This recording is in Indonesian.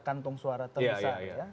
kantung suara terbesar